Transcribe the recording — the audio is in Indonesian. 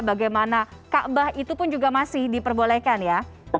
bagaimana kaabah itu pun juga masih diperbolehkan ya